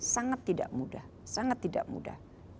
sangat tidak mudah